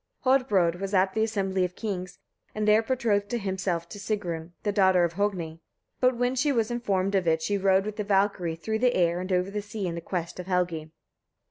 Hodbrodd was at the assembly of kings, and there betrothed himself to Sigrun, the daughter of Hogni. But when she was informed of it, she rode with the Valkyriur through the air and over the sea in quest of Helgi.